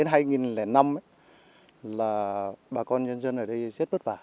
năm một nghìn chín trăm chín mươi ba đến hai nghìn năm bà con nhân dân ở đây rất bất vả